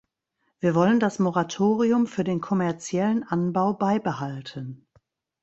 Wir wollen das Moratorium für den kommerziellen Anbau beibehalten.